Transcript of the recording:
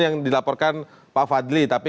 yang dilaporkan pak fadli tapi